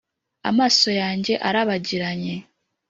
amaso yanjye arabagiranye